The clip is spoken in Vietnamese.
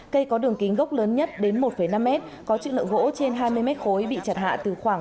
cây có đường kính gốc lớn nhất đến một năm mét có chữ lượng gỗ trên hai mươi mét khối bị chặt hạ từ khoảng